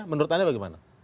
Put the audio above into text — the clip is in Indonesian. menurut anda bagaimana